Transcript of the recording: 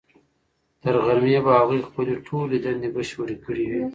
تر غرمې به هغوی خپلې ټولې دندې بشپړې کړې وي.